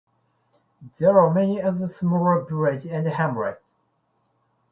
There are many other smaller villages and hamlets.